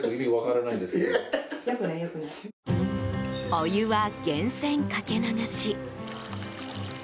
お湯は源泉かけ流し。